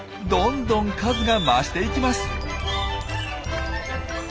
どんどん数が増していきます。